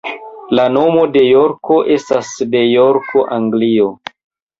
La nomo de Jorko estas de Jorko, Anglio.